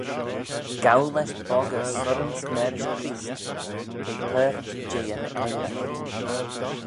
"Gow lesh boggey surrans marish Chreest; t'eh paart jeh yn eiraght."